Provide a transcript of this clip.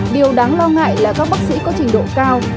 điều đáng lo ngại là các bác sĩ có trình độ cao